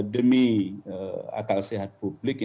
demi akal sehat publik